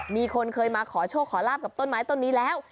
มีคนเคยมาขอโชคขอลาบกับต้นไม้ต้นนี้แล้ว